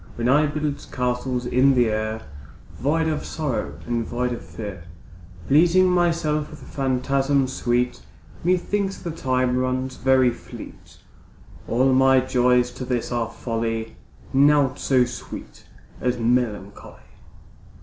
When I build castles in the air, Void of sorrow and void of fear, Pleasing myself with phantasms sweet, Methinks the time runs very fleet. All my joys to this are folly, Naught so sweet as melancholy.